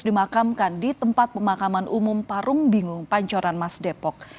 dimakamkan di tempat pemakaman umum parung bingung pancoran mas depok